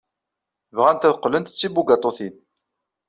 Bɣant ad qqlent d tibugaṭutin.